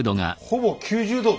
ほぼ９０度。